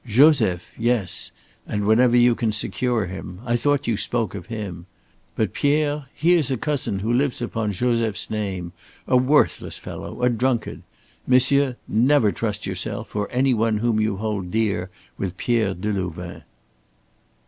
Joseph yes, and whenever you can secure him. I thought you spoke of him. But Pierre, he is a cousin who lives upon Joseph's name, a worthless fellow, a drunkard. Monsieur, never trust yourself or any one whom you hold dear with Pierre Delouvain!"